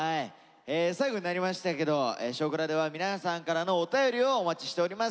最後になりましたけど「少クラ」では皆さんからのお便りをお待ちしております。